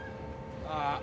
ああ。